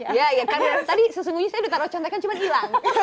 ya ya tadi sesungguhnya saya udah taruh contoh kan cuma hilang